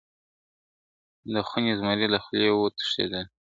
د خوني زمري له خولې وو تښتېدلی ..